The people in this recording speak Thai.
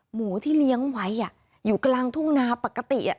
หมูที่เลี้ยงไว้อยู่กลางทุ่งนาปกติอ่ะ